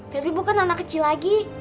teri bukan anak kecil lagi